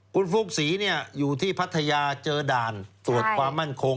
คุณฟุ๊กศรีอยู่ที่พัทยาเจอด่านตรวจความมั่นคง